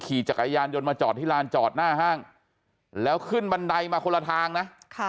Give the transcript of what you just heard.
ขี่จักรยานยนต์มาจอดที่ลานจอดหน้าห้างแล้วขึ้นบันไดมาคนละทางนะ